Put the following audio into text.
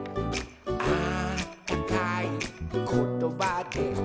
「あったかいことばで」